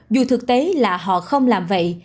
dù thực tế là họ không làm vậy